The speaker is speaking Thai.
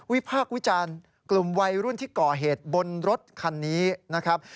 พากษ์วิจารณ์กลุ่มวัยรุ่นที่ก่อเหตุบนรถคันนี้นะครับ